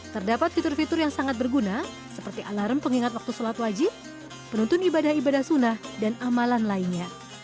terdapat fitur fitur yang sangat berguna seperti alarm pengingat waktu sholat wajib penuntun ibadah ibadah sunnah dan amalan lainnya